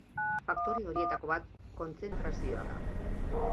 Faktore horietako bat kontzentrazioa da.